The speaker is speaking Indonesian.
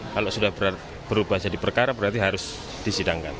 kalau sudah berubah jadi perkara berarti harus disidangkan